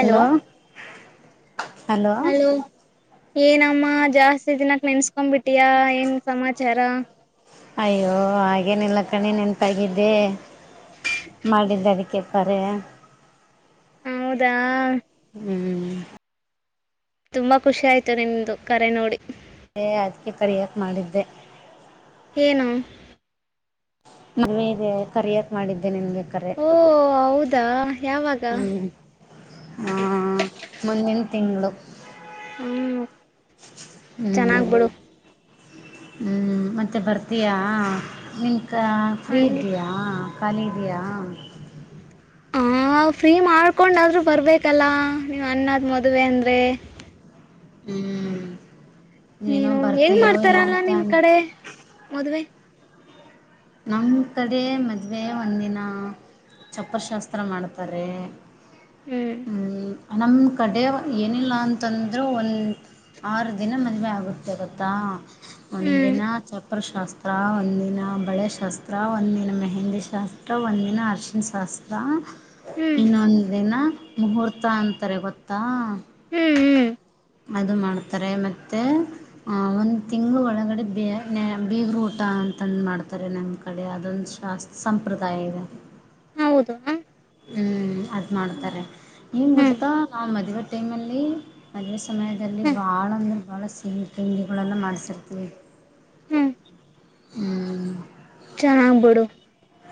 Hello hello ಏನಮ್ಮ ಜಾಸ್ತಿ ದಿನಾಕ್ ನೆನ್ಸ್ಕೊಬಿಟಿಯಾ ಏನ್ ಸಮಾಚಾರ ಅಯ್ಯೋ ಹಾಗೇ ನಿಲ್ಲಕ್ಕಣೆ ನೆನ್ಪಾಗಿದ್ದೆ ಮಾಡಿದ್ದ ಅದಕ್ಕೆ ಪಾರೆ ಹೌದಾ ಹ್ಮ್ ತುಂಬಾ ಖುಷಿ ಆಯ್ತು ನಿಮ್ದು ಕರೆ ನೋಡಿ ಏ.. ಅದಕ್ಕೆೆ ಕರಿಯಾಕ್ ಮಾಡಿದ್ದೆ ಏನು ಮನೆಗೆ ಕರಿಯಕ್ ಮಾಡಿದ್ದೇ ನಿನ್ಗೆ ಕರೆ. ಓ ಹೌದಾ ಯಾವಾಗ ಹ್ಮ. ಆ ಮೊನ್ನೆ ತಿಂಗಳು ಹ್ಮ್ ಚೆನ್ನಾಗ್ ಹ್ಮ್ ಬಿಡು ಹ್ಮ್ ಮತ್ತೆ ಬರ್ತೀಯಾ? ನಿನ್ ಕ ಫ್ರೀ ಹಂಗೆ ಇದೆಯಾ? ಖಾಲಿ ಇದೆಯಾ? ಹ ಫ್ರೀ ಮಾಡ್ಕೊಂಡಾದ್ರರು ಬರ್ಬೇಕಲ್ಲಾ, ನೀವ್ ಅನ್ನದ್ ಮದುವೆ ಅಂದ್ರೆ ಹ್ಮ್ ಏನೋ ನೀನು ಹೆಂಗ ಬರ್ತೀಯೋ ಇಲ್ಲ ಮಾಡ್ತಾರಲ್ವಾ, ಅಂತ ನಿಮ್ ಕಡೆ ಮದ್ವೆ ನಮ್ಮ ಕಡೆ ಮದುವೆ, ಒಂದಿನ ಚಪ್ಪರಶಾಸ್ತ್ರ ಮಾಡ್ತಾರೆ ಹ್ಮ್ ನಮ್ಮ ಕಡೆ ಏನಿಲ್ಲ ಅಂತಂದ್ರೆ ಒಂದು ಆರು ದಿನ ಮದುವೆ ಆಗುತ್ತೆ ಗತ್ತಾ ಹ್ಮ್ ಒಂದಿನ ಚಪ್ಪರ್ ಶಾಸ್ತ್ರ ಹತ್ರ ಒಂದಿನ ಬಳೆ ಶಾಸ್ತ್ರ ಒಂದಿನ ಮೆಹಂದಿ ಶಾಸ್ತ್ರ ಒಂದಿನ ಅರ್ಶಿನ್ ಶಾಸ್ತ್ರ ಹ್ಮ್ ಇನ್ನೊಂದಿನ ಮುಹೂರ್ತ ಅಂತಾರೆ ಗೊತ್ತಾ ಹ್ಮ್ ಹ್ಮ್ ಅದು ಮಾಡ್ತಾರೆ ಮತ್ತೆ ಒಂದು ತಿಂಳ ಒಳಗಡೆ ಬೀಗರು ಊಟ ಅಂತಂದು ಮಾಡ್ತಾರೆ ನಮ್ಮ ಕಡೆ ಅದೊಂದು ಶಾಸ್ತ್ರ ಸಂಪ್ರದಾಯ ಇದೆ ಹ ಹೌದು ಹ್ಮ್ ಅದ್ ಹ್ಮ್ ಮಾಡ್ತಾರೆ. ಏನ್ ಹ್ಮ್ ಗೊತ್ತಾ ನಾವ್ ಮದುವೆ ಟೈಮಲ್ಲಿ, ಅದೆಷ್ಟ್ ಸಮಯದಲ್ಲಿ ಹ್ಮ್ ಬಹಳ ಬಹಳ ಸಿಹಿ ತಿಂಡಿಗಳೆಲ್ಲ ಮಾಡಿಸಿರ್ತೀವಿ ಹ್ಮ್ ಹ್ಮ್ ಚೆನ್ನಾಗ್ ಬಿಡು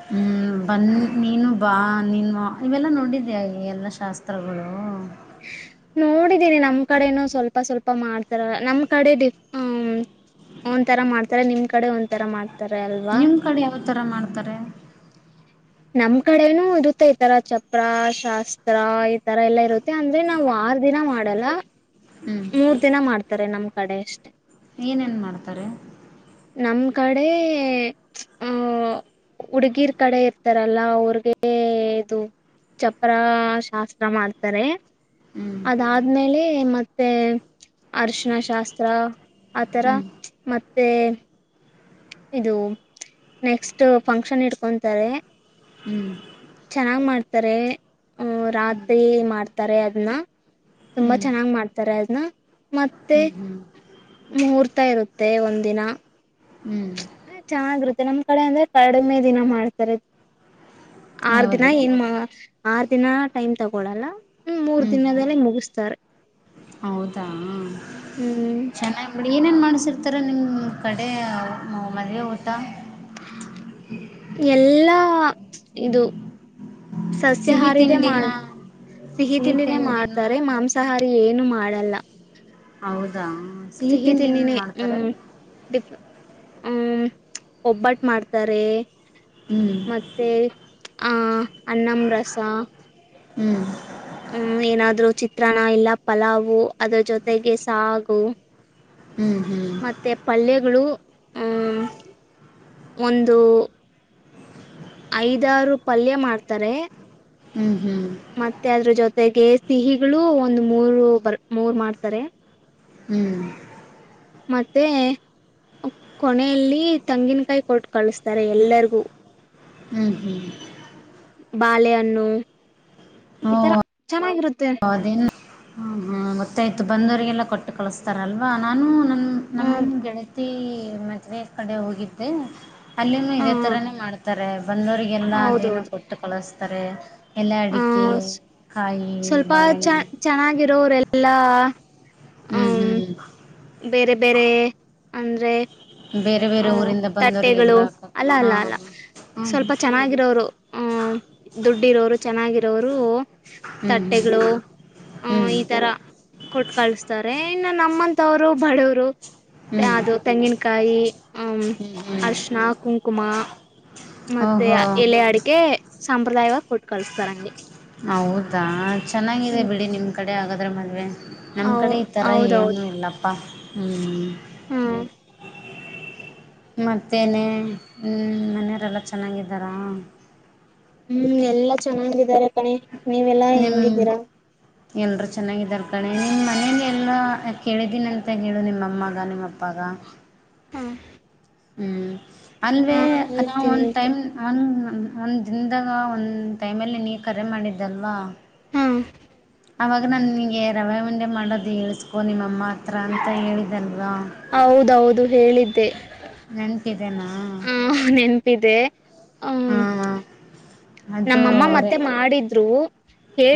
ಹ್ಮ್ ಬನ್ನಿ, ನೀನು ಬಾ, ನೀನು ಇವೆಲ್ಲ ನೋಡಿದ್ಯಾಯ ಎಲ್ಲ ಶಾಸ್ತ್ರಗಳು? ನೋಡಿದ್ದೀನಿ ನಮ್ ಕಡೆನೂ ಸ್ವಲ್ಪ ಸ್ವಲ್ಪ ಮಾಡ್ತಾರ ನಮ್ ಕಡೆ ಡಿ, ಹ ಒಂಥರಾ ಮಾಡ್ತಾರ, ನಿಮ್ ಕಡೆ ಒಂಥರ ಮಾಡ್ತ ತರೆ ಅಲ್ವಾ ನಿಮ್ಮ ಕಡೆ ಯಾವ ಥರ ಮಾಡ್ತಾರೆ? ನಮ್ ಕಡೆನೂ ಇರುತ್ತೆ ಈತರ ಚಪ್ರ ಶಾಸ್ತ್ರ, ಈತರ ಎಲ್ಲಾ ಇರುತ್ತೆ ಅಂದ್ರೆ ನಾವ್ ಆರು ದಿನ ಮಾಡಲ್ಲ ಹ್ಞೂ ಮೂರ್ ದಿನ ಮಾಡ್ತಾರೆ ನಮ ಕಡೆ ಅಷ್ಟೇ ಏನೇನ್ ಮಾಡ್ತಾರೆ? ನಮ್ ಕಡೆ, ಹ, ಹುಡುಗಿರ್ ಕಡೆ ಇರ್ತಾರಲ್ಲ, ಅವ್ರಗೆ ಇದು ಚಪ್ಪರ ಶಾಸ್ತ್ರ ಮಾಡ್ತಾರೆ. ಹ್ಞೂ ಅದಾದ್ಮೇಲೆ ಮತ್ತೆ ತ್ತೆ ಹರಿಶಿನ ಶಾಸ್ತ್ರ ಆಥರ ಹ್ಞೂ ಮತ್ ತ್ತೆ ಇದು ನೆಕ್ಸ್ಟ್ ಫಂಕ್ಷನ್ ಇಡ್ಕೊಂತಾರೆ ಹ್ಞೂ ಚೆನ್ನಾಗ್ ಮಾಡ್ ತ್ತರ ಹ್ಮ ರಾತ್ರಿ ಹ್ಞೂ ಮಾಡ್ ತರೆ ಅದನ್ನ ಹ್ಞೂ ತುಂಬಾ ಚೆನ್ನಾಗ್ ಮಾಡ್ತಾರೆ ನ ಮತ್ತೆ ಹ್ಞೂ ಹ್ಞೂ ಮುಹೂರ್ತ ಇರುತ್ತೆ ಒಂದಿನ ಹ್ಮ್ ಮತ್ತೆ ನಮ್ ಕಡೆ ಅಂದ್ರೆ ಕಡಿಮೆ ದಿನ ಮಾಡ್ತಾರೆ ಆರ್ ದಿನಾ ಯಾವುದದು ಏನು ಮಾ ಆರ್ ದಿನ ಟೈಮ್ ತಗೊಳಲ್ಲ ಮೂರ್ ಹ್ಮ್ ಹ್ಮ್ ದಿನದಲ್ಲೇ ಮುಗಿಸ್ತಾರೆ ಹೌದಾ ಹ್ಮ್ ಚೆನ್ನಾಗ್ ಬಿಡಿ ಏನೇನ್ ಮಾಡ ಕಾಣಸರ್ತಾರೆ ನಿಮ್ಮ ಕಡೆ ಮದುವೆ ಊಟ ಎಲ್ಲಾ ಇದು ಸಿಹಿ ಸಸ್ಯಹಾರಿದೇ ಮಾಡ ತಿಂಡಿನಾ ಸಿಹಿ ತಿಂಡಿನೇ ಮಾಡ್ತಾರೆ ಮಾಂಸಾಹಾರಿ ಏನು ಮಾಡ ಮಾಡಲ್ಲ ಹೌದ ದಾ ಸಿಹಿ ತಿಂಡಿ ಏನ್ನ್ ತಿಂಡಿನೇ ಮಾಡ್ತಾರೆ. ಹ್ಮ್ ಡಿಫ್ ಹ್ಮ್ ಒಬ್ಬಟ್ಟು ಮಾಡ್ತಾರೆ ಹ್ಞೂ ಮತ್ತೆ ಹ ಅನ್ನಂ ರಸಾ ಹ್ಮ ಹ್ಮ ಏನಾದ್ರು ಚಿತ್ರಾನ್ನ ಇಲ್ಲ ಪಲಾವು ಅದ್ರ ಜೊತೆಗೆ ಸಾಗು. ಹ್ಞೂ ಹ್ಞೂ ಮತ್ತೆ ಪಲ್ಯಗಳು ಹ್ಮ ಒಂದು ಐದಾರು ಪಲ್ಯ ಮಾಡ್ತಾರೆ. ಹ್ಮ್ ಹ್ಮ್ ತೆಗೆ ಸಿಹಿಗಳು ಒಂದ ಮೂರು ಬರ್ ಮೂರ್ ಮಾಡ್ತಾರೆ ಹ್ಮ್ ಮತ್ತೆ ಕೊನೆಯಲ್ಲಿ ತಂಗಿನಕಾಯಿ ಕೊಟ್ಟು ಕಳಸ್ತಾರೆ ಎಲ್ಲರಿಗೂ. ಹ್ಮ್ ಹ್ಮ್ ಬಾಳೆಹಣ್ಣು ಒಂದ್ತಾರ ಚೆನ್ನಾಗಿರು ಹ ದೇನ್ ಹ ಹ ಮತ್ತಾಯ್ತು ಬಂದ ಲ್ಲ ಕೊಟ್ಟು ಕಳಸ್ತಾರಲ್ವಾ ನಾನು ನಮ್ಮ್ ಹ್ಮ ಗೆಳತಿ ಮದ್ವೆ ಕಡೆ ಹೋಗಿದ್ದೆ ಅಲ್ಲಿನು ಇದೇ ಹ ತರಾನೇ ಮಾಡ್ತಾರೆ. ಬಂದೋರಿಗೆಲ್ಲ ಅದೇನು ಹೌದೌದು ಕೊಟ್ಟು ಕಳಿಸ್ತ ತಾರೆ ಎಲ್ಲ ಅಡಿ ಕೆ ಕಾಯಿ ಸ್ವಲ್ ಚ, ಬಾಳೆಹಣ್ಣು ಚೆನ್ನಾಗಿರೋರೆಲ್ಲ ಲ್ಲಾ ಹ್ಮ್ ಹ್ಮ್ ಹ್ಮ ಬೇರೆ ಬೇರೆ ಅಂದ್ರೆ ಬೇರೆ ಬೇರೆ ಹ ಊರಿಂದ ತಟ್ಟೆಗಳು ಬಂದವರಿಗೆಲ್ಲ ಅಲ್ಲ ಹಾ ಅಲ್ಲ ಅಲ್ಲ, ಹ್ಮ್ ಸ್ವಲ್ಪ ಚೆನ್ನಾಗಿರೋರು ಹ ದುಡ್ಡಿರೋರು, ಚೆನ್ನಾಗಿರೋರು ಹ್ಮ್ ಹ್ಮ್ ತಟ್ಟೆಗಳು, ಹ, ಹ್ಮ್ ಈ ತರ ಕೊಟ್ ಕಳಸ್ತಾರೆ. ಇನ್ನ ನಮ್ಮಂತವ್ರು ಬಡವ್ರು ಹ್ಮ್ ಹ್ಮ್ ಅದು ತೆಂಗಿನಕಾಯಿ ಅಂ ಹ್ಮ್ ಹ್ಮ್ ಹರಿಶಿನ ಕುಂಕುಮ ಮತ್ತೆ ಓಹೋ ಎಲೆ ಅಡಿಕೆ ಸಂಪ್ರದಾಯವಾಗ ಕೊಟ್ಟು ಕಳಸ್ತಾರಂಗೆ. ಹೌದಾ ಚೆನ್ನಾಗಿದೆ ಬಿಡಿ ನಿಮ್ ಕಡೆ ಆಗಾದ್ರೆ ಮದುವೆ ನಮ್ ಹೌ ಕಡೆ ಈ ತರ ಏನೂ ಇಲ್ಲಪ್ಪಾ ಹ್ಮ್ ಹ್ಮ ಮತ್ತೇನೇ ಮನೆಯವರೆಲ್ಲ ಚೆನ್ನಾಗಿದ್ದಾರ? ಹ್ಮ್ ಎಲ್ಲಾ ಚೆನ್ನಾಗಿದ್ದಾರೆ ನೀವೆಲ್ಲಾ ನಿಮ್ಮ ಹೆಂಗಿದ್ದೀರಾ? ಎಲ್ಲರೂ ಚೆನ್ನಾಗಿದ್ದಾರೆ ಕಣೆ. ನಿಮ್ಮ ಮನಗೆ ಎಲ್ಲ ಕೇಳಿದ್ದೀನಿ ಅಂತ ಹೇಳು, ನಿಮ್ಮಮ್ಮಾಗ, ನಿಮ್ಮ ಅಪ್ಪಾಗ. ಹಾ ಹ್ಮ್ ಅಲ್ವೇ ಅದ್ನ ಹೇಳ್ತೀನಿ ಒಂದು ಟೈಮ್ ಹೇಳ್ತೀನಿ ನಾನು ಒಂದು ದಿನದಾಗ, ಒಂದು ಟೈಮಲ್ಲಿ ನೀ ಕರೆ ಮಾಡಿದ್ದಲ್ವ ಹಾ ಅವಾಗ ನಾ ನಿನಗೆ ರವೆ ಉಂಡೆ ಮಾಡೋದು ಹೇಳಿಸ್ಕೋ ನಿಮ್ಮಮ್ಮ ಹತ್ರ ಅಂತ ಹೇಳಿದಲ್ವಾ ಹೌದೌದು ಹೇಳಿದ್ದೆ ನೆನ್ಪಿದೆೇನ? ಹ ನೆನಪಿದೆ ಹ್ಮ್ ಹಾ ಅದು ನಮ್ಮಮ್ಮ ಅವರೇ ಮತ್ತೆ ಮಾಡಿದ್ ದ್ರು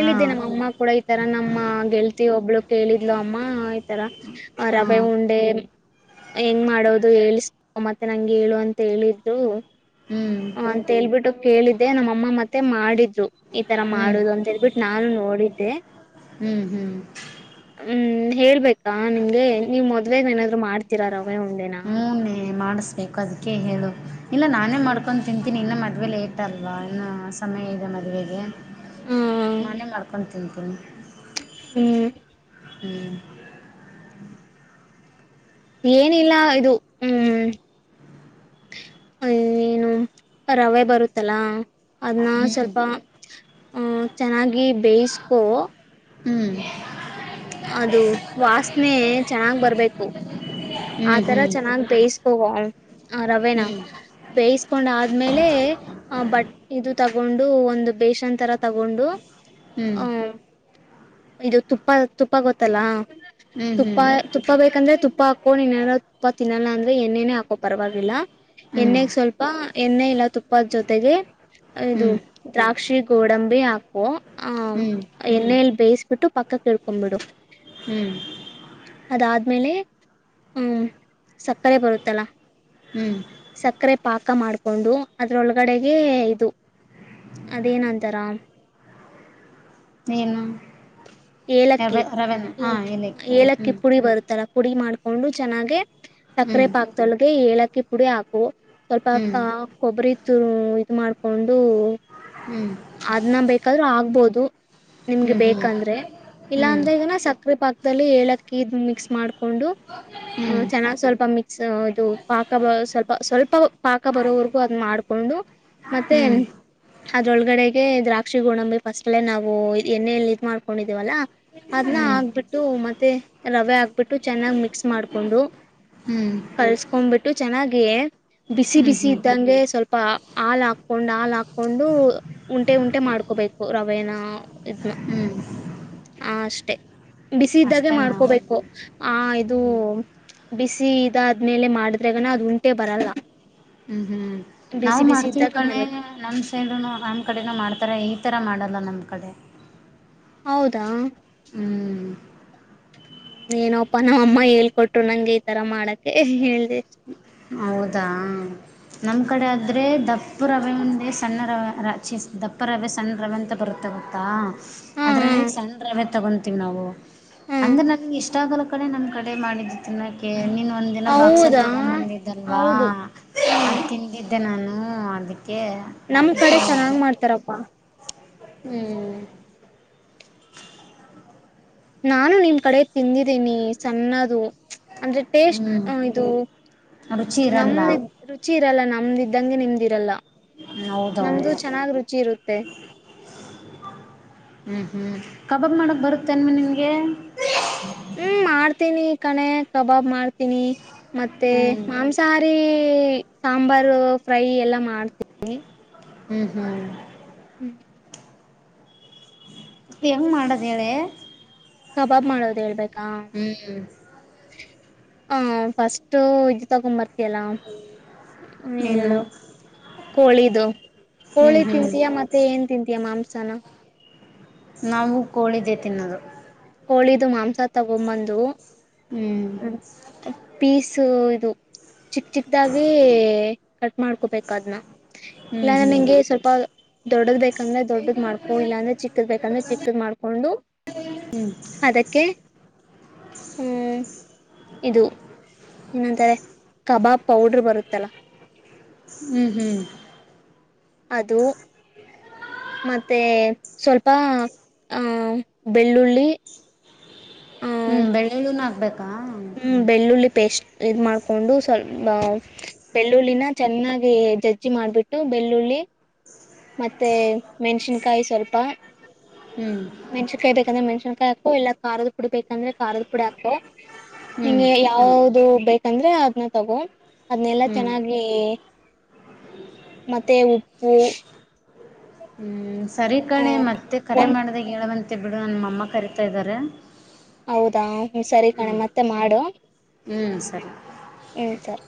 ಹಾ ನಮ್ಮ ಅಮ್ಮಗ್ ಕೂಡ, ಈತರ ನಮ್ಮ ಗೆಳತಿ ಒಬ್ಳು ಕೇಳಿದ್ಲು ಅಮ್ಮ, ಈತರ ಹಾ ರವೆ ಉಂಡೆ ಹೆಂಗ್ ಮಾಡೋದು ಹೇಳಳ್ಸ್ [unintelligible] ಮತ್ತೆ ನಂಗೆ ಹೇಳು ಅಂತ ಹೇಳಿದ್ರು ಹ್ಮ್ ಹ ಅಂತ ಹೇಳ್ಬಿಟ್ಟು ಕೇಳಿದ್ದೆ ನಮ್ಮ ಅಮ್ಮ ಮತ್ತೆ ಮಾಡಿದ್ದ ಈ ತರ ಹ್ಮ್ ಮಾಡುದು ಅಂತ ಹೇಳ್ಬಿಟ್ಟು ನಾನು ನೋಡಿದ್ದ ದೇ [unintelligible] ಹ್ಮ್ ಹ್ಮ್ ಹೇಳ್ಬೇಕು ಹಾ ನಿಮ್ಗೆ ನೀವ ಮದ್ವೆೇಗ್ ಏನಾದ್ರು ಮಾಡ್ತ ಕೆರರ ಆಫ್ [unintelligible] ಹ್ಮನೇ ಮಾಡಸ್ ಬೇಕ ಅದಕ್ಕೆ ಹೇಳು ಇಲ್ಲ ನಾನೇ ಹಾ ಮಾಡ್ಕೊಂಡು ತಿಂತೀನಿ ಇಲ್ಲ ಮತ್ತ ಮದುವೆ ಲೇಟ್ ಅಲ್ವಾ ಇನ್ನುೂ ಸಮಯ ಇದೆ ಮದುವೆಗೆ ನಾನೇ ಮಾಡ್ಕೊತ ಹ ಹ್ಮ್ ಹ್ಮ್ ಏನಿಲ್ಲ ಇದು ಹ್ಮ್ ಅ ಏನು ರವೆ ಬರುತ್ತಲಾ ಅದನ್ನ ಸ್ವಲ್ಪ ಆ ಚೆನ್ನಾಗಿ ಬೇಯಿಸ್ಕೋ ಹ್ಮ್ ಅದು ವಾಸನೆ ಚೆನ್ನಾಗ್ ಬರ್ಬೇಕು ಹ್ಞೂ ಹ್ಞೂ ಆತರ ಹ್ಞೂ ಚೆನ್ನಾಗ್ ಬೇಯಿಸಕೋ ಆ ರವೆನ ಬೇಯಿಸಕೊಂಡ ಆದ್ಮೇಲೆ ಆ ಬಟ್ ಇದು ತಗ ತಗೊಂಡು ಒಂದು ಬೇಷನ್ ತರ ತಗೊಂಡು ಹ್ಞೂ ಹ್ಮ ಇದು ತುಪ್ಪ ತುಪ್ಪ ಗೊತ್ತಲ್ಲಾ ಹ್ಞೂ ಹ್ಞೂ ತುಪ್ಪ ಹ್ಞೂ ತುಪ್ಪ ಬೇಕಂದ್ರೆ ತುಪ್ಪ ಹಾಕೋ ನೀನ್ನನಾರ ತುಪ್ಪ ಇಲ್ಲಾಂದ್ರೆ ಅಂದ್ರೆಏೇ ಪರವಾಗಿಲ್ಲ ಹ್ಞೂ ಎಣ್ಣೆಗ ಸ್ವಲ್ಪ ಎಣ್ಣೆ ಇಲ್ಲ ತುಪ್ಪದ ಜೊತೆ ತೆ [unintelligible] ಇದು ದ್ರಾಕ್ಷಿ ಗೋಡಂಬಿ ಹಾಕೊ ಹ ಹ್ಞೂ ಎಣ್ಣೆಯಲ್ಲಿ ಬೇಯಿಸ ಬಿಟ್ಟು ಪಕ್ಕ ಕೇಳ್ಕೊಬ ಬಿಡು ಹ್ಮ್ ಆ ಮೇಲೆ ಹ್ಮ್ ಸಕ್ಕರೆ ಬರುತ್ತಲ್ಲ ಹ್ಮ್ ಸಕ್ಕರೆ ಪಾಕ ಮಾಡ್ಕೊಂಡು ಅದ್ರೊಳಗಡೆಗೆ ಇದು ಅದೇನಂತಾರ ಏನು ಏಲಕ್ಕಿ ರವೆ ರವೆನ್ ಆ ಏಲ ಇನಕ್ ಏಲಕ್ಕಿ ಹ್ಮ ಪುಡಿ ಬರುತ್ತಲ್ಲ ಪುಡಿ ಮಾಡಿಕೊಂಡು ಚೆನ್ನಾಗೆ ಸಕ್ಕರೆ ಹ್ಞೂ ಪಾಕ್ದೊಳಗೆ ಏಲಕ್ಕಿ ಪುಡಿ ಹಾಕೊ ಹ್ಮ್ ಸ್ವಲ್ಪಕ್ಕಾ ಕೊಬ್ಬರಿ ಇದು ಮಾಡ್ಕೊಂಡು ಅದು ಹ್ಮ್ ಅದ್ನ್ನ ಬೇಕಾದ್ರೂ ಆಗ್ಬೋದು ನಿಮ್ಗೆ ಹ್ಮ್ ಬೇಕಂದ್ರೆ ಹ್ಮ್ ಇಲ್ಲಾ ಹ್ಮ್ ಅಂದ್ರೆ ಈಗನಾ ಸಕ್ರೆ ಪಾಕದಲ್ಲಿ ಏಳಕ ಏಲಕ್ಕಿ ಮಿಕ್ಸ್ ಮಾಡ ಹಾಕೊಂಡು ಹ್ಮ್ ಚೆನ್ನಾಗ್ ಸ್ವಲ್ಪ ಮಿಕ್ಸ್ ಅದು ಪಾ ಪಾಕ ಸ್ವಲ್ಪ ಸ್ವಲ್ಪ ಪಾಕ ಬರೋವರ್ಗೂ ಅದ್ ಮಾಡ್ಕೊಂಡು ಮತ್ತೆ ಹ್ಮ್ ಹ್ಮ್ ಅದ್ರೊಳಗಡೆಗೆ ದ್ರಾಕ್ಷಿ ಗೋಣಂಬಿ ಫಸ್ಟ್ಲ್ಲೇ ನಾವು ಎಣ್ಣೆಲ್ಲಿ ಇದ್ ಮಾಡ್ಕೊಂಡಿದ್ವಿ ಲ್ಲ ಅದನ್ನ ಹಾಕ್ಬಿಟ್ಟು ಮತ್ತೆ ರವೆ ಹಾಕ್ಬಿಟ್ಟು ಚೆನ್ನಾಗಿ್ ಮಿಕ್ಸ್ ಮಾಡಕೊಂಡು ಹ್ಮ್ ಕಲ್ಸ್ಕೊಂಡ್ಬಿಟ್ಟು ಚೆನ್ನಾಗಿ ಬಿಸಿ ಹ್ಮ್ ಬಿಸಿ ಹ್ಮ್ ಇದ್ದಂಗ್ರೆ ಸ್ವಲ್ಪ ಹಾ ಹಾಕೊಂಡು ಹಾಲ್ ಹಾಕ್ ಹಕೊಂಡು ಉಂಟೆ ಉಂಟೆ ಮಾಡ್ಕೋಬೇಕು ರ ರವೇನ ಇ ಹ್ಮ್ ಆ ಅಷ್ ಬಿಸಿ ಇದ್ದಾಗೆ ಅಷ್ಟೇ ನಾವು ಮಾಡ್ಕೋಬೇಕು ಆ ಇದು ಹ್ಮ್ ಬಿಸಿ ಅದಾದ್ಮೇಲೆ ಮಾಡ ಗನ ಅದು ಉಂಟೆ ಬರಲ್ಲ ಹ್ಮ್ ಹ್ಮ್ ನಾವ್ ಬಿಸಿ ಬಿಸಿ ಮಾಡ್ತೀವ್ ಇದ್ದಾಗೆ ಕಣೆ ಮಾಡ್ಬೇಕು ನಮ್ ಸೈಡ್ನು ಆ ಕಡೆನೂ ಮಾಡ್ತಾರೆ ಈ ಥರ ಮಾಡಲ್ಲ ನಮ್ಮ ಕಡೆ ಹೌದಾ ಹ್ಮ್ ಏನಪ್ಪಾ ನಾವ್ ಅಮ್ಮ ಹೇಳ್ಕೊಟ್ರು ನಂಗೆ ಈತರ ಮಾಡಕ್ಕೆ ಹಳ್ ಹೌದಾ ನಮ್ ಹ್ಮ್ ಕಡೆ ಆದ್ರೆ ದಪ್ ದಪ್ಪ ರವೆ ಮುಂದೆ ಸಣ್ಣ ರವೆ ರ ಚಿ ದಪ್ಪ ರವೆ ಸಣ್ಣ ರವೆ ಅಂತ ಬರುತ್ತ ಗತ್ತಾ ಹಾ ಹಾ ಅದರಲ್ಲಿ ಸಣ್ಣ ರವೆ ತಗೊಂತೀವಿ ನಾವು ಹಾ ಅಂದ ನಿಗೆ ಇಷ್ಟ [unintelligible] ಎಷ್ಟಾಗಲ ಕಡೆ ನಮ್ ಕಡೆ ಮಾಡಿದ್ದು ತಿನ್ನೋಕೆ ನೀನು ಒಂದೀನ ಬಾಕ್ಸ್ ಅಲ್ಲಿ [unintelligible] ಹೌದಾ ತಗೊಂಬಂದಿದ್ದಲ್ವಾ ಹೌದು ಹ್ಮ ತಿಂದಿದ್ದ ಮ ನಾನು ಅದಿಕ್ಕೆ ನಮ್ ಕಡೆ ಚೆನ್ನಾಗ್ ಮಾಡ್ತಾರಪ್ಪಾ ಹ್ಮ್ ನಾನು ನಿಮ್ ಕಡೆ ತಿಂದಿದ್ದೀನಿ ಸಣ್ಣದು ಅಂದ್ರೆ ಟೇಸ್ಟ್ ಹ್ಞೂ ಇದು ರುಚಿ ಇರಲ್ಲ ನಮ್ದ ರುಚಿ [unintelligible] ರಲ್ಲ ನಮ್ದಂಗೆ ನಿಮ್ದಿರಲ್ಲ ನಮ್ದು ಹೌದೌದು ಚೆನ್ನಾಗ್ ರುಚಿ ಇರುತ್ತೆ ಹ್ಮ್ ಕಬಾಬ್ ಮಾಡಕ್ಕೆ ಬರುತ್ತೆನ್ ಮ ನಿನಗೆ ಹ್ಮ್ ಮಾಡ್ತೀನಿ ಕಣೆ ಕಬಾಬ್ ಮಾಡ್ತೀನಿ ಮತ್ತೆ ಹ್ಞೂ ಮಾಂಸಾಹಾರಿ ಸಾಂಬಾರು ಫ್ರೈ ಎಲ್ಲ ಮಾಡ್ತೀನಿ ಹ್ಮ್ ಹ್ಮ್ ಹ್ಮ್ ಹೆಂಗ್ ಮಾಡದ ಹೇಳೆ ಕಬಾಬ್ ಮಾಡೋದ ಹೇಳ್ಬೇಕು ಹ್ಮ್ [inaudible] ಹ ಫಸ್ಟ್ ಇದು ತಗೊಂಬರ್ತ ಲ್ಲ [inaudible] ಮನು ಏನು ಹೇಳ [inaudible] ಕೋಳಿದು ಹ್ಮ್ ಹೋಳಿ ಹ್ಮ್ ತಿಂತಿಯಾ ಮತ್ತೆ ಏನ್ ತಿಂತೀಯಾ ಮಾಂಸ ಚಲ [unintelligible] ನಾವು ಕೋಳಿದೆೆ ತಿನ್ನೋದು ಕೋಳಿದು ಮಾಂಸ ತಗೊಂಬಂದು ಹ್ಮ್ ಹ್ಮ ಪೀಸ್ ಸೂದು ಚಿಕ್ ಚಿಕ್ದಾವ ಕಟ್ ಮಾಡ್ಕೊಬೇಕ ಅದ್ನ ಹ್ಮ್ ಇಲ್ಲಾಂದ್ರೆ ಹ್ಮ್ ನಿಂಗೆ ಸ್ವಲ್ಪ ದೊಡ್ಡದ ಬೇಕಂದ್ರೆ ದೊಡ್ಡದ್ ಮಾಡ್ಕೊ ಇಲ್ಲಾಂದ್ರೆ ಚಿಕ್ಕದ ಬೇಕಂದ್ರೆ ಚಿಕ್ಕದ್ ಮಾಡ್ಕೊಂಡು ಹ್ಮ್ [inaudible] ಅದಕ್ಕೆ ಹ್ಮ್ ಇದು ಏನಂತಾರೆ ಕಬಾಬ್ ಪೌಡರ್ ಬರುತ್ತಲ್ಲ ಹ್ಮ್ ಹ್ಮ್ ಅದು ಮತ್ತೆ ಸ್ವಲ್ಪ ಆಹ್ ಬೆಳ್ಳುಳ್ಳಿ ಆ ಹ್ಮ್ ಬೆಳ್ಳುಳ್ಳುನು ಹಾಕಬೇಕ್ ಹಾ ಹ್ಮ್ ಬೆಳ್ಳುಳ್ಳಿ ಪೇಸ್ಟ್ ಇದ ಮಾಡ್ಕೊಂಡು ಸ್ವಲ್ ಬೆಳ್ಳುಳ್ಳಿನ ಚೆನ್ನಾಗಿ ಜಜ್ಜಿ ಮಾಡಿಬಿಟ್ಟು ಬೆಳ್ಳುಳ್ಳಿ ಮತ್ತೆ ಮೆಣಸಿನಕಾಯಿ ಸ್ವಲ್ಪ ಹ್ಮ್ ಮೆಣಸಿನಕಾಯಿ ಬೇಕಂದ್ರ ಮೆಣಸಿನಕಾಯಿ ಹಾಕು ಇಲ್ಲಾ ಖಾರದ ಪುಡಿ ಬೇಕ ಅಂದ್ರೆ ಖಾರದ ಪುಡಿ ಹಾಕೋ ಹ್ಮ್ ನಿಂಗೆ ಯಾವುದ ಬೇಕು ತಂದ್ರೆ ಅದನ ತಗೋ ಅದನ ಎಲ್ಲಾ ಹ್ಮ್ ಚೆನ್ನಾಗಿ ಮತ್ತೆ ಉಪ್ಪು ಹ್ಮ್ ಸರಿ ಕಣೆ ಮತ್ತೆ ಕರೆ ಒಂದ್ ಮಾಡಿದಾಗ ಹೇಳುವಂತೆ ಮತ್ತೆ ಬಿಡು ನನ್ನ ಮಮ್ಮ ಕರಿತಾ ಇದಾರೆ ಹೌದಾ ಹೂ ಸರಿ ಕಣೆ ಮತ್ತೆ ಮಾಡು ಹ್ಞೂ ಸರಿ ಹೂ ಸರಿ